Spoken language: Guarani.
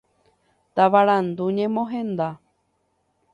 Tavarandu ñemohenda.